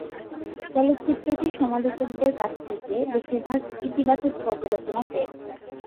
চলচ্চিত্রটি সমালোচকদের কাছ থেকে বেশিরভাগ ইতিবাচক পর্যালোচনা পেয়েছে।